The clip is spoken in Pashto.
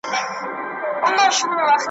له اوره تش خُم د مُغان دی نن خُمار کرلی `